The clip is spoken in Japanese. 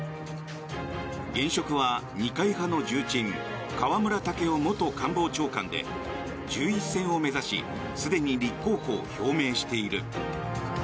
現職は二階派の重鎮河村建夫元官房長官で１１選を目指しすでに立候補を表明している。